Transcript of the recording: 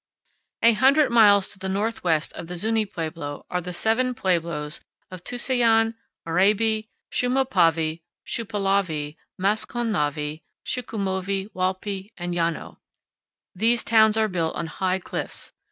50 A hundred miles to the northwest of the Zuñí pueblo are the seven pueblos of Tusayan: Oraibi, Shumopavi, Shupaulovi, Mashongnavi, Sichumovi, Walpi, and llano. These towns are built on high cliffs.